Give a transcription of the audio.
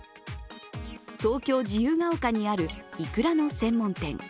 東京・自由が丘にあるいくらの専門店。